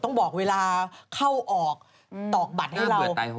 ต้องบอกเวลาเข้าออกตอกบัตรให้เรา